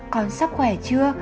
con sắp khỏe chưa